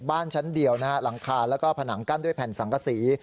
บ้านชั้นเดียวนะฮะหลังคาแล้วก็ผนังกั้นด้วยแผ่นสังกษี